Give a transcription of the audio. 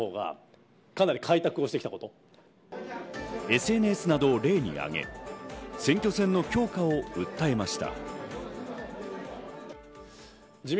ＳＮＳなどを例に挙げ、選挙戦の強化を訴えました。